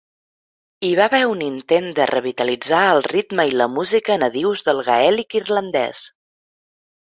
Hi va haver un intent de revitalitzar el ritme i la música nadius del gaèlic irlandès.